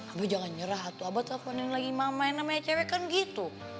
saya jangan nyerah tuh saya telponin lagi mama yang namanya cewek kan gitu